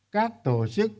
các tổ chức